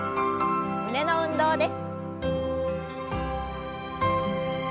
胸の運動です。